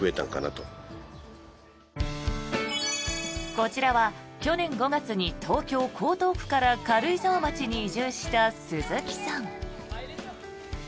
こちらは去年５月に東京・江東区から軽井沢町に移住した鈴木さん。